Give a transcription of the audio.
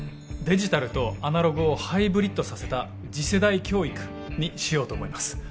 デジタルとアナログをハイブリッドさせた次世代教育にしようと思います